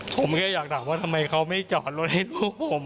ผมก็อยากถามว่าทำไมเขาไม่จอดรถให้พวกผม